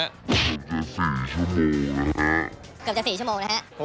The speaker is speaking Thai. เกือบจะ๔ชั่วโมงนะครับ